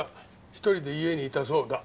１人で家にいたそうだ。